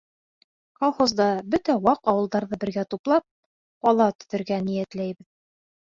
Колхозда, бөтә ваҡ ауылдарҙы бергә туплап, ҡала төҙөргә ниәтләйбеҙ.